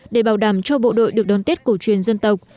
để bảo đảm cho bộ đội được đón tết cổ truyền dân tộc